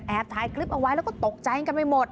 แอบถ่ายกลิ้เปล่าวายแล้วก็ตกจ่ายกันไม่หมด